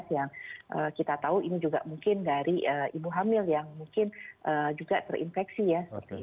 yang kita tahu ini juga mungkin dari ibu hamil yang mungkin juga terinfeksi ya